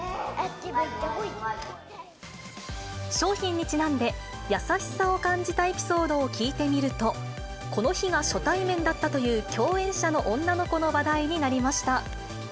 商品にちなんで、優しさを感じたエピソードを聞いてみると、この日が初対面だったという共演者の女の子の話題になりました。